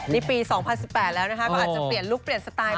นี่ปี๒๐๑๘แล้วนะคะก็อาจจะเปลี่ยนลุคเปลี่ยนสไตล์